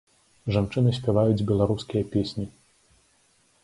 Жанчыны спяваюць беларускія песні.